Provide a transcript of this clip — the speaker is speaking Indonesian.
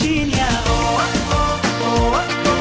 eh enggak apa apa gak ada apa apa